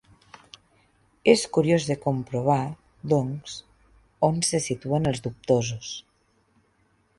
És curiós de comprovar, doncs, on se situen els dubtosos.